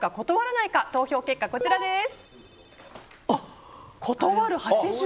投票結果、こちらです。